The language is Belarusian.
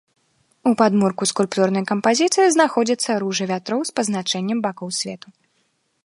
У падмурку скульптурнай кампазіцыі знаходзіцца ружа вятроў з пазначэннем бакоў свету.